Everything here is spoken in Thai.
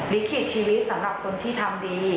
ลิขิตชีวิตสำหรับคนที่ทำดี